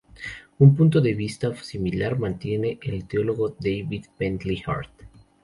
Un punto de vista similar mantiene el teólogo David Bentley Hart.